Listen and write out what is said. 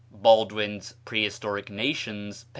(Baldwin's "Prehistoric Nations," p.